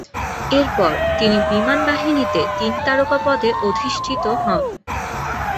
এরপর তিনি বিমান বাহিনীতে তিন তারকা পদে অধিষ্ঠিত হন।